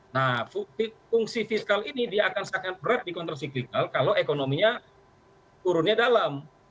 nah fungsi fiskal ini akan sangat berat di kontrak siklikal kalau ekonominya turunnya dalam